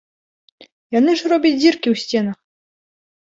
Яны ж робяць дзіркі ў сценах!